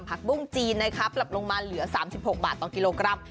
บุ้งจีนนะคะปรับลงมาเหลือ๓๖บาทต่อกิโลกรัม